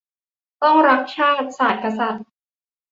ต้องรัก ชาติ ศาสน์ กษัตริย์